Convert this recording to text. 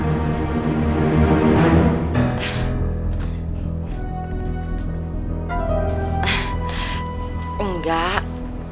aku tadi sama reh lagi bahas soal